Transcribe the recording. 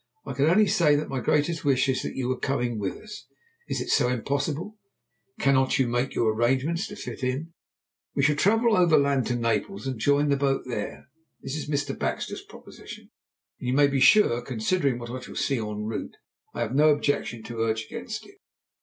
I can only say that my greatest wish is that you were coming with us. Is it so impossible? Cannot you make your arrangements fit in? We shall travel overland to Naples and join the boat there. This is Mr. Baxter's proposition, and you may be sure, considering what I shall see en route, I have no objection to urge against it.